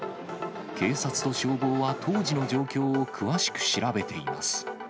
警察と消防は当時の状況を詳しく調べています。